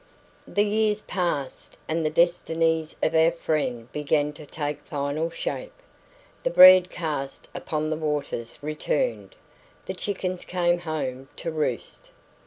The years passed, and the destinies of our friend began to take final shape. The bread cast upon the waters returned. The chickens came home to roost.